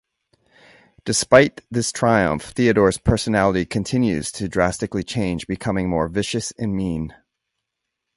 Despite this triumph, Theodore's personality continues to drastically change, becoming more vicious and mean.